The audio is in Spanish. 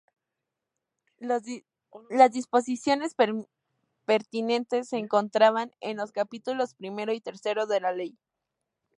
Las disposiciones pertinentes se encontraban en los capítulos primero y tercero de la ley.